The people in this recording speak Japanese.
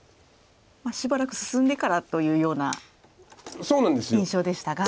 しばらく進んでからというような印象でしたが。